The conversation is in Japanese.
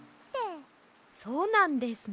そうなんですね。